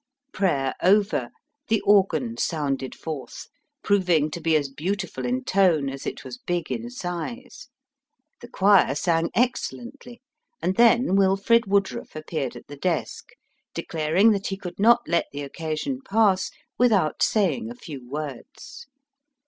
Prayer over, the organ sounded forth, proving to be as beautiful in tone as it was big in size ; the choir sang excellently, and then Wilfrid Woodruff appeared at the desk, de claring that he could not let the occasion pass without saying a few words.